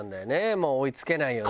もう追い付けないよね。